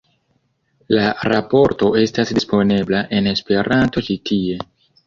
La raporto estas disponebla en Esperanto ĉi tie.